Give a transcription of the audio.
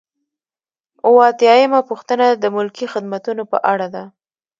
اووه اتیا یمه پوښتنه د ملکي خدمتونو په اړه ده.